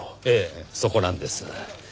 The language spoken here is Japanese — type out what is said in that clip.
ええそこなんです。